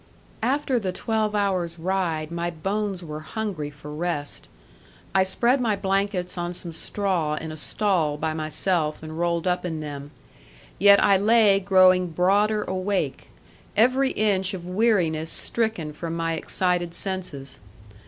After the twelve hours' ride my bones were hungry for rest. I spread my blankets on some straw in a stall by myself and rolled up in them; yet I lay growing broader awake, every inch of weariness stricken from my excited senses.